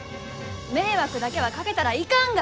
迷惑だけはかけたらいかんが！